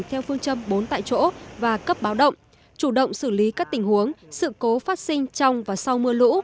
theo phương châm bốn tại chỗ và cấp báo động chủ động xử lý các tình huống sự cố phát sinh trong và sau mưa lũ